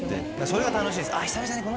それが楽しいんです。